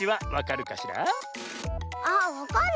あっわかる。